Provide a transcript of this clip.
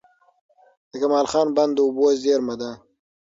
د کمال خان بند د اوبو زېرمه ده.